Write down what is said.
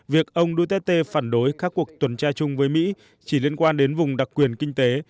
việc ông duterte phản đối các cuộc tuần tra chung với mỹ chỉ liên quan đến vùng đặc quyền kinh tế